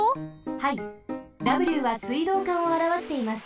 はいＷは水道管をあらわしています。